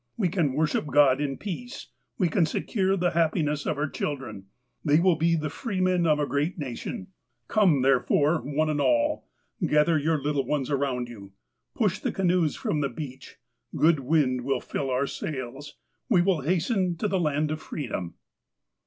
We can worship God in peace. We can secure the happiness of our children. They will be the freemen of a great uatiou. Come, therefore, one and all. Gather your little ones around you. Push the canoes from the beach. Good wind will fill our sails ; We will hasten to the land of freedom."